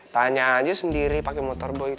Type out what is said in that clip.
tanya aja sendiri pakai motorboy itu